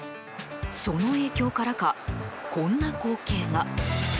その影響からか、こんな光景が。